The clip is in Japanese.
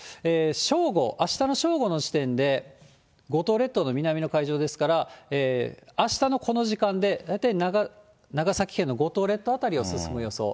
正午、あしたの正午の時点で、五島列島の南の海上ですから、あしたのこの時間で、大体、長崎県の五島列島辺りを進む予想。